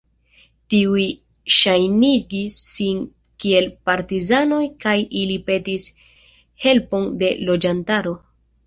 Tiuj ŝajnigis sin kiel partizanoj kaj ili petis helpon de loĝantaro.